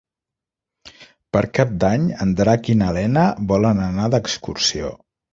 Per Cap d'Any en Drac i na Lena volen anar d'excursió.